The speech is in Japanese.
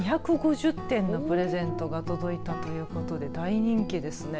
２５０点のプレゼントが届いたということで大人気ですね。